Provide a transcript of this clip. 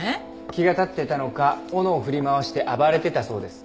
気が立ってたのか斧を振り回して暴れてたそうです。